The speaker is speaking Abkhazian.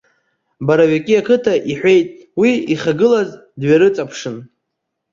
Боровики ақыҭа, иҳәеит уи ихагылаз дҩарыҵаԥшын.